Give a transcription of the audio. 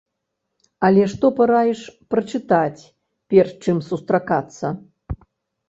Але што параіш прачытаць перш, чым сустракацца?